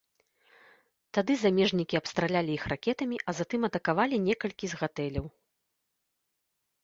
Тады замежнікі абстралялі іх ракетамі, а затым атакавалі некалькі з гатэляў.